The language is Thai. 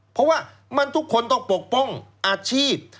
เพราะว่ามันทุกคนต้องปกป้องอาชีพ